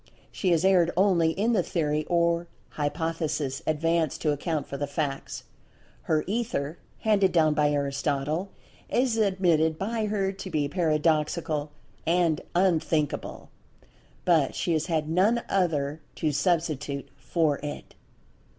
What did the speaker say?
She has erred only in the Theory or[Pg 179] Hypothesis advanced to account for the facts. Her "Ether" handed down by Aristotle, is admitted by her to be paradoxical and "unthinkable"—but she has had none other to substitute for it.